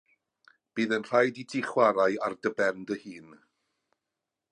Bydd yn rhaid i ti chwarae ar dy ben dy hun.